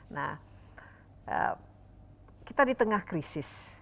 nah kita di tengah krisis